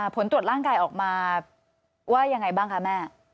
ผลตรวจร่างกายออกมาว่ายังไงบ้างคะแม่